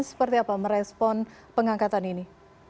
seperti apa merespon pengangkatan ini